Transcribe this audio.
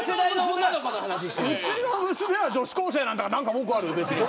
うちの娘は女子高生なんだから何か文句ある。